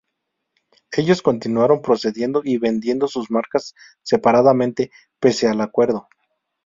Ellos continuaron produciendo y vendiendo sus marcas separadamente, pese al acuerdo.